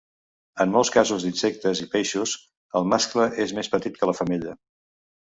En molts casos d'insectes i peixos, el mascle és més petit que la femella.